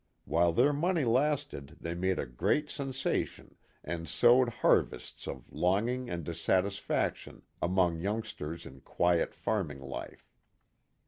While their money lasted they made a great sen sation and sowed harvests of longing and dissat isfaction among youngsters in quiet farming life.